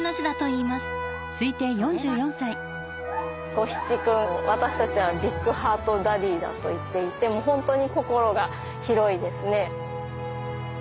ゴヒチ君私たちはビッグハートダディだと言っていて本当に心が広いですね。